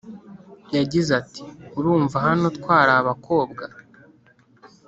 yagize ati" urumva hano twari abakobwa